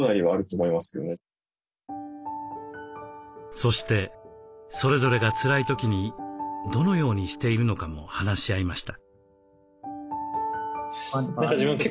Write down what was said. そしてそれぞれがつらい時にどのようにしているのかも話し合いました。